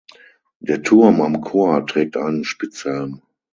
Der Turm am Chor trägt einen Spitzhelm.